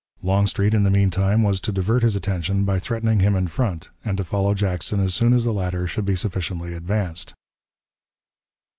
Longstreet, in the mean time, was to divert his attention by threatening him in front, and to follow Jackson as soon as the latter should be sufficiently advanced.